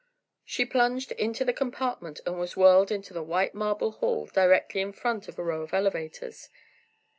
She plunged into the compartment and was whirled into a white marble hall directly in front of a row of elevators.